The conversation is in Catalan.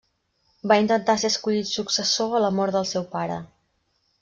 Va intentar ser escollit successor a la mort del seu pare.